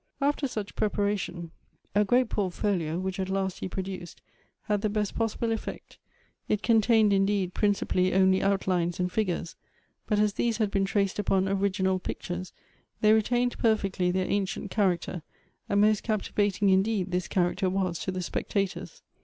After such preparation, a great portfolio, which at last he produced, had the best possible effect. It contained indeed, principally only outlines and figures, but as these had been traced upon original pictures, they retained per fectly their ancient character, and most captivating indeed this character was to the spectators.